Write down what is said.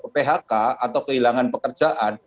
phk atau kehilangan pekerjaan